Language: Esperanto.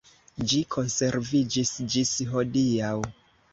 Ĝi konserviĝis ĝis hodiaŭ.